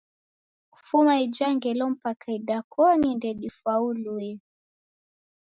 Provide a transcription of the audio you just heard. Kufuma ija ngelo mpaka idakoni ndedifauluye.